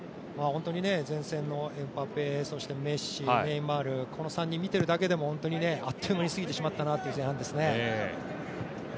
本当に前線のエムバペ、メッシ、ネイマール、この３人見てるだけでもあっという間に過ぎてしまったなという前半ですね。